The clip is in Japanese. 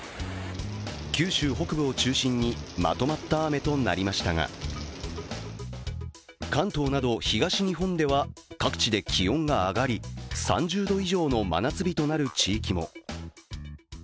九州北部を中心にまとまった雨となりましたが関東など東日本では各地で気温が上がり、３０度以上の真夏日となる地域も。